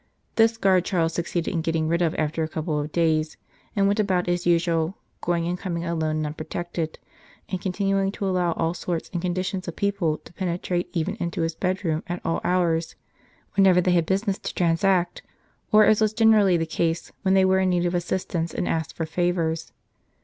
This guard Charles succeeded in getting rid of after a couple of days, and went about as usual, going and coming alone and unprotected, and continuing to allow all sorts and conditions of people to penetrate even into his bedroom at all hours, whenever they had business to transact, or, as was generally the case, when they were in need of assistance and asked for favours.